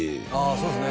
そうですね